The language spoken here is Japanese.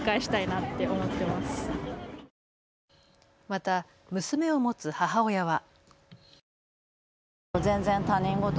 また、娘を持つ母親は。